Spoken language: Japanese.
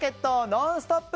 「ノンストップ！」